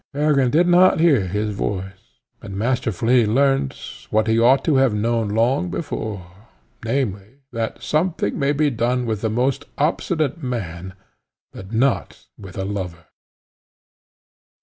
Peregrine did not hear his voice, and Master Flea learnt, what he ought to have known long before, namely, that something may be done with the most obstinate man, but not with a lover.